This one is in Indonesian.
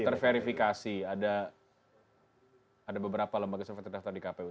terverifikasi ada beberapa lembaga survei terdaftar di kpu